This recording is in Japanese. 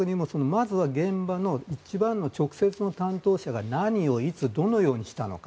まずは現場の一番の直接の担当者が何をいつどのようにしたのか